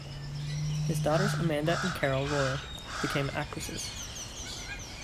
His daughters Amanda and Carol Royle became actresses.